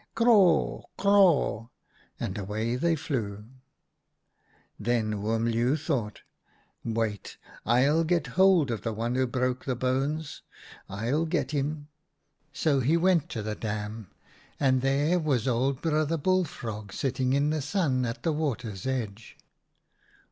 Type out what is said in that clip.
Craw, craw,' and away they flew. " Then Oom Leeuw thought :' Wait, I'll get hold of the one who broke the bones. I'll get him.' So he went to the dam, and there was old Brother Bullfrog sitting in the sun at the water's edge.